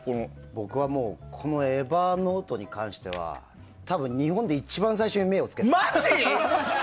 僕はもうＥｖｅｒｎｏｔｅに関しては多分、日本で一番最初に目を付けた。